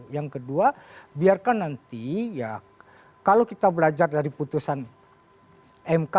yang kedua biarkan nanti ya kalau kita belajar dari putusan mk